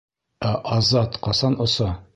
Ә Азат ҡасан оса?